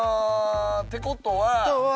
ってことは。